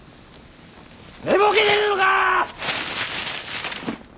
寝ぼけてるのか！